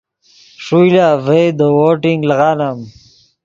ݰوئے لا ڤئے دے ووٹنگ لیغانم